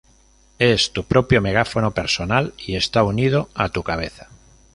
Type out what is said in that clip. Es tu propio megáfono personal y está unido a tu cabeza!